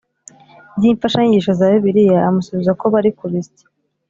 by imfashanyigisho za Bibiliya amusubiza ko bari kubisya